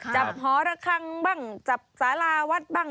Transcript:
จับฮอละครังบ้างจับสาราวัฒน์บ้าง